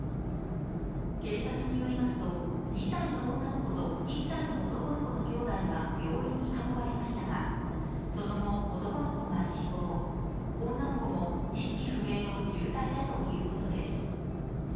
警察によりますと２歳の女の子と１歳の男の子のきょうだいが病院に運ばれましたがその後、男の子が死亡、女の子も意識不明の重体だということです。